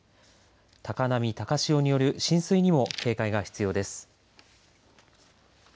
高波、高潮による浸水にも警戒が必要です。